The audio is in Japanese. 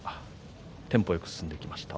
テンポよく進んできました。